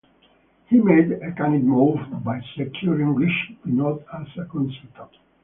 He made a canny move by securing Richie Benaud as a consultant.